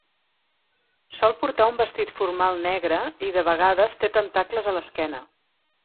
Sol portar un vestit formal negre i de vegades té tentacles a l'esquena.